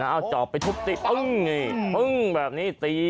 เอาจอบไปชุบตีอึ้งแบบนี้ตี